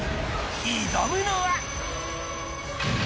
挑むのは。